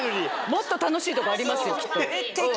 もっと楽しいとこありますよきっと。